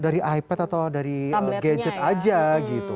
dari ipad atau dari gadget aja gitu